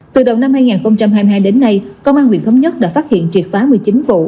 từ đầu năm hai nghìn hai mươi hai đến nay công an huyện thống nhất đã phát hiện triệt phá một mươi chín vụ